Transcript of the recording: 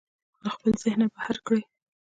له خپله ذهنه بهر کړئ.